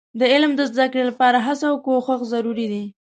د علم د زده کړې لپاره هڅه او کوښښ ضروري دي.